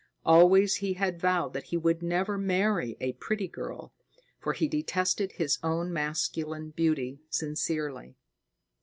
Always he had vowed that he would never marry a pretty girl, for he detested his own masculine beauty sincerely.